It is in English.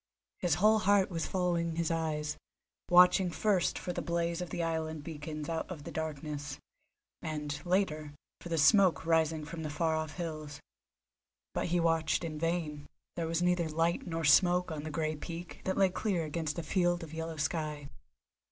His whole heart was following his eyes, watching first for the blaze of the island beacons out of the darkness, and, later, for the smoke rising from the far off hills. But he watched in vain; there was neither light nor smoke on the grey peak that lay clear against a field of yellow sky.